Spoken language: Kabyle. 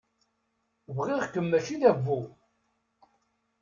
Bɣiɣ-kem mačči d abbu.